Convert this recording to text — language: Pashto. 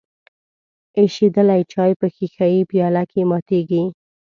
ایشیدلی چای په ښیښه یي پیاله کې ماتیږي.